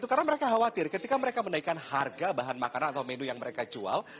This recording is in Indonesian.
karena mereka khawatir ketika mereka menaikkan harga bahan makanan atau menu yang mereka jual